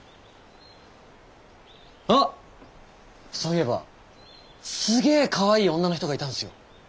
あっそういえばすげかわいい女の人がいたんすよ。